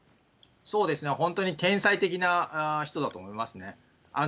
そうですね、本当に天才的な人だと思いますね。